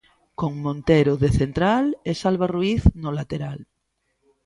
Con Montero de central e Salva Ruiz no lateral.